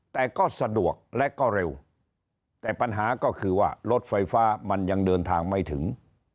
แต่ก็สะดวกและก็เร็วแต่ปัญหาก็คือว่ารถไฟฟ้ามันยังเดินทางไม่ถึง